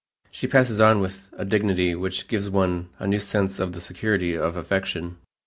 She passes on with a dignity which gives one a new sense of the security of affection.